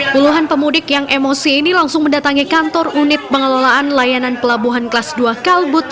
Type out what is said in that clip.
puluhan pemudik yang emosi ini langsung mendatangi kantor unit pengelolaan layanan pelabuhan kelas dua kalbut